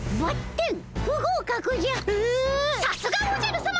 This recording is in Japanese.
さすがおじゃるさま。